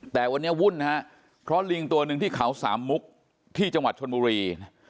แต่วันนี้วุ่นฮะเพราะลิงตัวหนึ่งที่เขาสามมุกที่จังหวัดชนบุรี